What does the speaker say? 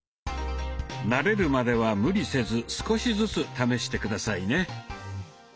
慣れるまでは無理せず少しずつ試して下さいね。